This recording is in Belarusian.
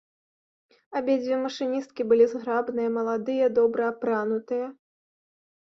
Абедзве машыністкі былі зграбныя, маладыя, добра апранутыя.